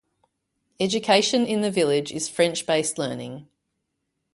Education in the village is French based learning.